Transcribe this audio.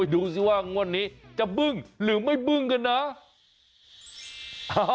ดูสิว่างวดนี้จะบึ้งหรือไม่บึ้งกันนะ